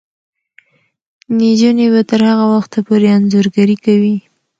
نجونې به تر هغه وخته پورې انځورګري کوي.